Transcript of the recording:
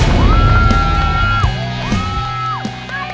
terima kasih el